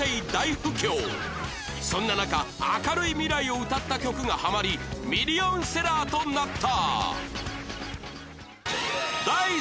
そんな中明るい未来を歌った曲がハマりミリオンセラーとなった